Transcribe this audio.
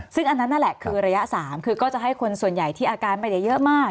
ซึ่งอันนั้นนั่นแหละคือระยะ๓คือก็จะให้คนส่วนใหญ่ที่อาการไม่ได้เยอะมาก